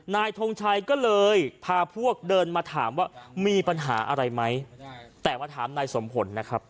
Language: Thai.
ทงชัยก็เลยพาพวกเดินมาถามว่ามีปัญหาอะไรไหมแต่มาถามนายสมผลนะครับ